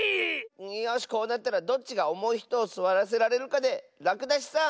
よしこうなったらどっちがおもいひとをすわらせられるかでらくだしさん